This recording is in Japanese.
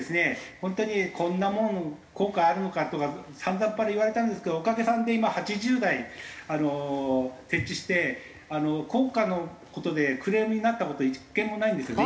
「本当にこんなもん効果あるのか」とかさんざっぱら言われたんですけどおかげさまで今８０台あの設置して効果の事でクレームになった事１件もないんですよね